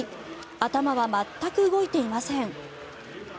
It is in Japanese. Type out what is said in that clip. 頭は全く動いていません。